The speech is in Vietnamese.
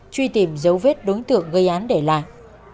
truy tìm dấu vết đối tượng gây án để lại